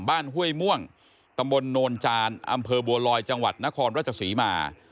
ห้วยม่วงตำบลโนนจานอำเภอบัวลอยจังหวัดนครราชศรีมา